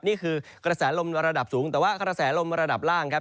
นี่คือกระแสลมระดับสูงแต่ว่ากระแสลมระดับล่างครับ